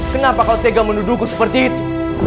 kenapa kau tega menuduhku seperti itu